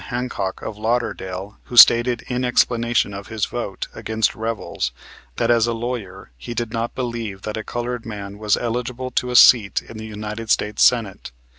Hancock, of Lauderdale, who stated in explanation of his vote against Revels that as a lawyer he did not believe that a colored man was eligible to a seat in the United States Senate.